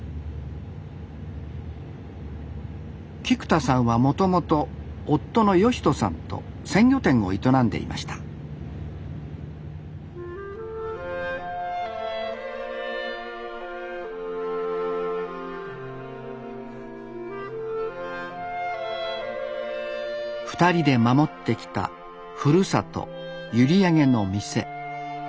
菊田さんはもともと夫の義人さんと鮮魚店を営んでいました２人で守ってきたふるさと閖上の店。